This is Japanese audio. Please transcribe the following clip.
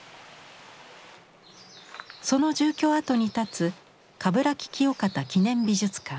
その住居の跡に建つ鏑木清方記念美術館。